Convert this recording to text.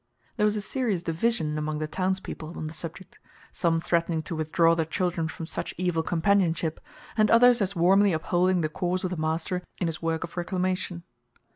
There was a serious division among the townspeople on the subject, some threatening to withdraw their children from such evil companionship, and others as warmly upholding the course of the master in his work of reclamation.